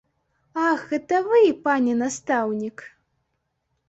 Ах, гэта вы, пане настаўнік!